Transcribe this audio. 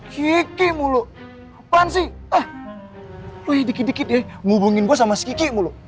kiki mulu apaan sih ah weh dikit dikit ya ngubungin gue sama si kiki mulu